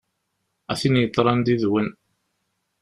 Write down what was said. A tin yeḍran yid-wen!